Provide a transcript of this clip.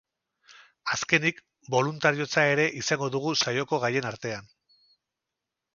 Azkenik, boluntariotza ere izango dugu saioko gaien artean.